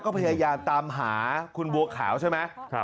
ก็พยายามตามหาคุณบัวขาวใช่ไหม